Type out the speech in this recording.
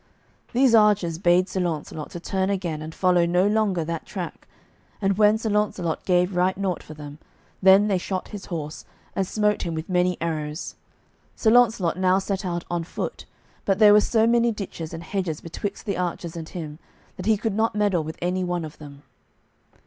These archers bade Sir Launcelot to turn again and follow no longer that track, and when Sir Launcelot gave right naught for them, then they shot his horse, and smote him with many arrows. Sir Launcelot now set out on foot, but there were so many ditches and hedges betwixt the archers and him that he could not meddle with any one of them.